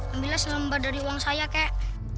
ambillah selembar dari uang saya kek